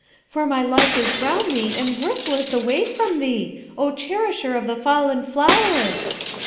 for my life is round thee and worthless away from thee, O cherisher of the fallen flower.'